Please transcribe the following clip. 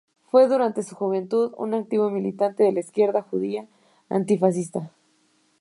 Fue durante su juventud un activo militante de la izquierda judía antifascista.